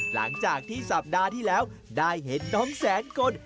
หลังจากที่สัปดาห์ที่แล้วได้เห็นน้องแสนกล